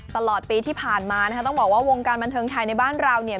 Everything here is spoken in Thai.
ตลอดปีที่ผ่านมานะคะต้องบอกว่าวงการบันเทิงไทยในบ้านเราเนี่ย